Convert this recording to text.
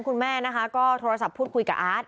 คุณแม่นะคะก็โทรศัพท์พูดคุยกับอาร์ต